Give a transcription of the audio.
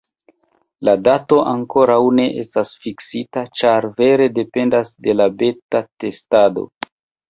La dato ankoraŭ ne estas fiksita ĉar vere dependas de la beta testado